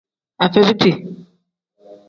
Afebiiti.